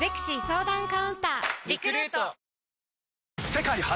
世界初！